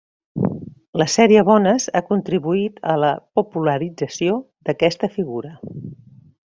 La sèrie Bones ha contribuït a la popularització d'aquesta figura.